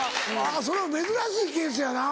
それは珍しいケースやな。